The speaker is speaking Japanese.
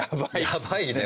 やばいね。